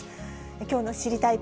きょうの知りたいッ！